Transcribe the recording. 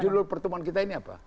judul pertemuan kita ini apa